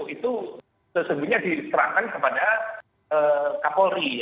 itu sesungguhnya diserahkan kepada kapolri